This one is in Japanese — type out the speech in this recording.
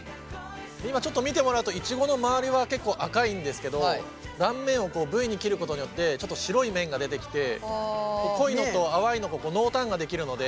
ちょっと見てもらうとイチゴの周りは結構赤いんですけど断面をＶに切ることによってちょっと白い面が出てきて濃いのと淡いのこう濃淡ができるので。